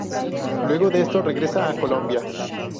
Luego de esto regresa a Colombia.